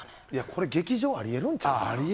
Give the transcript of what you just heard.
これ劇場ありえるんちゃう？